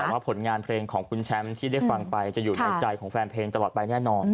แต่ว่าผลงานเพลงของคุณแชมป์ที่ได้ฟังไปจะอยู่ในใจของแฟนเพลงตลอดไปแน่นอน